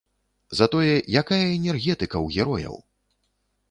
Затое якая энергетыка ў герояў!